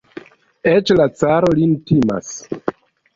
Eĉ la caro lin timas.